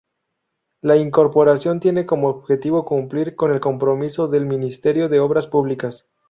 La incorporación tiene como objetivo cumplir con el compromiso del Ministerio de Obras Públicas.